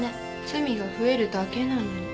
罪が増えるだけなのに。